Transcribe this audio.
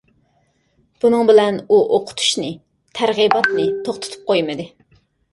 بۇنىڭ بىلەن ئۇ ئوقۇتۇشنى، تەرغىباتنى توختىتىپ قويمىدى.